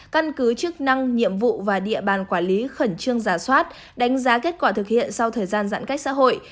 căn cứ chức năng nhiệm vụ và địa bàn quản lý khẩn trương giả soát đánh giá kết quả thực hiện sau thời gian giãn cách xã hội